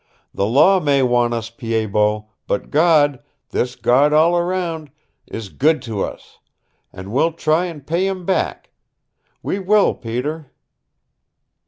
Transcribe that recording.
The law may want us, Pied Bot, but God this God all around is good to us. And we'll try and pay Him back. We will, Peter!"